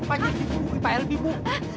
fajar di buku pak elvi bu